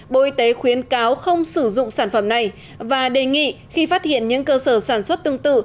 bộ y tế khuyến cáo không sử dụng sản phẩm này và đề nghị khi phát hiện những cơ sở sản xuất tương tự